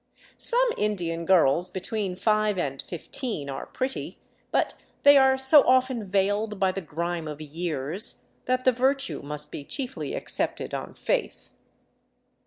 Some Indian girls between five and fifteen are pretty, but they are so often veiled by the grime of years that the virtue must be chiefly accepted on faith.